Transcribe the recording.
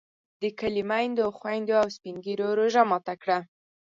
د کلي میندو، خویندو او سپین ږیرو روژه ماته کړه.